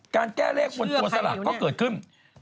การแก้เลขบนตัวสลากก็เกิดขึ้น